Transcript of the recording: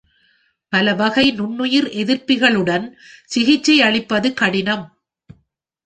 பல வகை நுண்ணுயிர் எதிர்ப்பிகளுடன் சிகிச்சையளிப்பது கடினம்.